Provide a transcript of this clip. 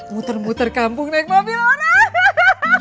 muter muter kampung naik mobil orang